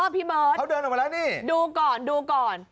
พี่เบิร์ตเขาเดินออกมาแล้วนี่ดูก่อนดูก่อน